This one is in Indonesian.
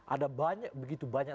ada banyak begitu banyak